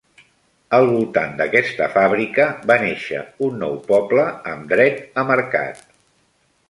Al voltant d'aquesta fàbrica va néixer un nou poble amb dret a mercat.